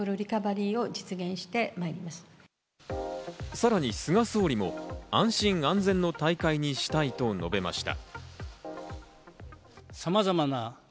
さらに菅総理も安心安全の大会にしたいと述べました。